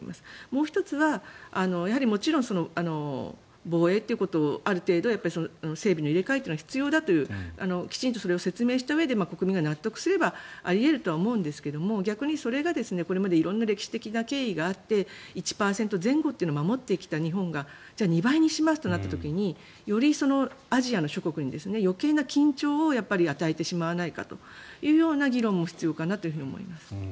もう１つはもちろん防衛ということある程度装備の入れ替えというのは必要だというきちんとそれを説明したうえで国民が納得すればあり得るとは思うんですが逆にそれがこれまで色んな歴史的な経緯があって１％前後というのを守ってきた日本がじゃあ２倍にしますとなった時によりアジア諸国に余計な緊張を与えてしまわないかというような議論も必要かなと思います。